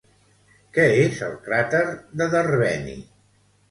Què és el crater de Derveni?